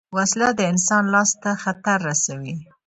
وسله د انسان لاس ته خطر رسوي